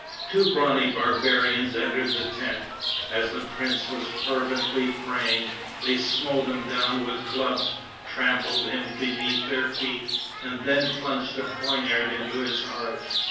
Two brawny barbarians entered the tent. As the prince was fervently praying, they smote him down with clubs, trampled him beneath their feet, and then plunged a poignard into his heart.